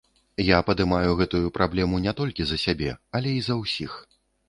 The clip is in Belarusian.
Я падымаю гэтую праблему не толькі за сябе, але і за ўсіх.